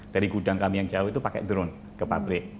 dari gudang kami yang jauh itu pakai drone ke pabrik